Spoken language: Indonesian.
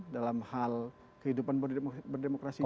dalam hal kehidupan berdemokrasi